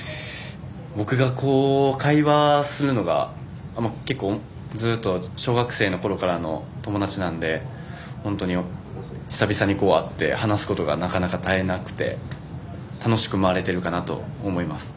僕が会話するのが結構小学生のころからの友達なので本当に久々に会って話すことがなかなか絶えなくて楽しく回れているかなと思います。